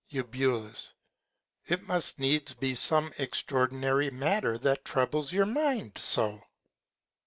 Eu. It must needs be some extraordinary Matter that troubles your Mind so.